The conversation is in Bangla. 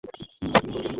হ্যাঁ, কেন নয়?